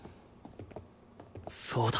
そうだ